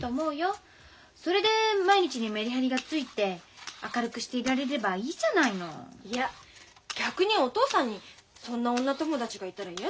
それで毎日にメリハリがついて明るくしていられればいいじゃないの。いや逆にお父さんにそんな女友達がいたら嫌だもの。